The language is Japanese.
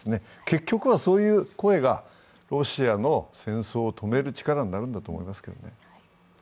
結局は、そういう声がロシアの戦争を止める力になるんだと思いますけどね。